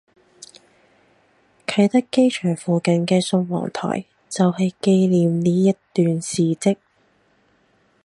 啟德機場附近嘅宋王臺就係紀念呢一段事跡